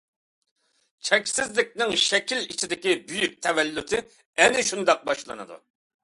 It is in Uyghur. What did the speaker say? چەكسىزلىكنىڭ شەكىل ئىچىدىكى بۈيۈك تەۋەللۇتى ئەنە شۇنداق باشلىنىدۇ.